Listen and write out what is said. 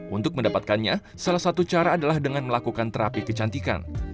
untuk mendapatkannya salah satu cara adalah dengan melakukan terapi kecantikan